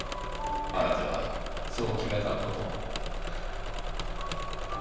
あなたがそう決めた事。